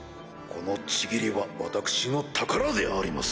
この契りは私の宝であります。